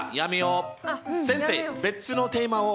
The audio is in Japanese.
先生別のテーマを。